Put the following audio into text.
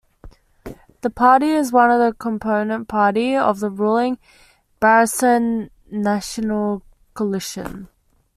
The party is one of the component party of the ruling Barisan Nasional coalition.